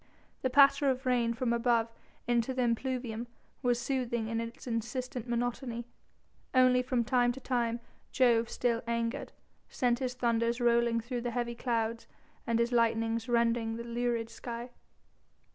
The patter of the rain from above into the impluvium was soothing in its insistent monotony, only from time to time Jove, still angered, sent his thunders rolling through the heavy clouds and his lightnings rending the lurid sky.